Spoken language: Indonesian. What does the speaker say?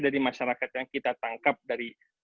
dari masyarakat yang kita tangkap dari